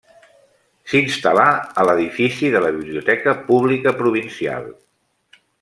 S’instal·là a l’edifici de la Biblioteca Pública Provincial.